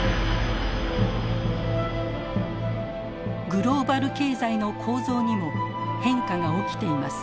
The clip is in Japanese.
グローバル経済の構造にも変化が起きています。